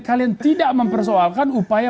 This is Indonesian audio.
kalian tidak mempersoalkan upaya